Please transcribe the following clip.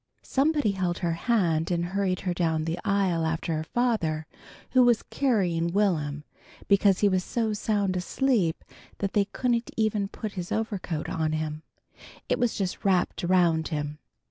Somebody held her hand and hurried her down the aisle after her father, who was carrying Will'm, because he was so sound asleep that they couldn't even put his overcoat on him. It was just wrapped around him.